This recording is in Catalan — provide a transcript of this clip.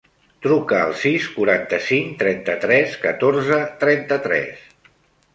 Truca al sis, quaranta-cinc, trenta-tres, catorze, trenta-tres.